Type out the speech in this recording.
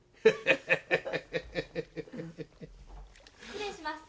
・失礼します。